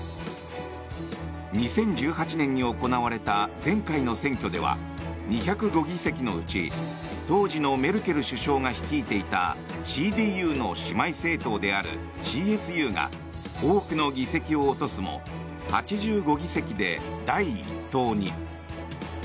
２０１８年に行われた前回の選挙では２０５議席のうち当時のメルケル首相が率いていたＣＤＵの姉妹政党であるＣＳＵが多くの議席を落とすも８５議席で第１党に。